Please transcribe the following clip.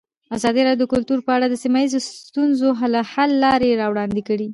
ازادي راډیو د کلتور په اړه د سیمه ییزو ستونزو حل لارې راوړاندې کړې.